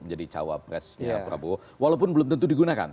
menjadi cawapresnya prabowo walaupun belum tentu digunakan